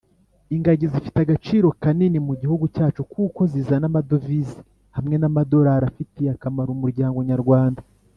ingagi zifite agaciro kanini mu gihugu cyacu kuko zizana amadovisi hamwe namadorari afitiye akamaro umuryango nyarwanda